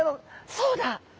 そうだ！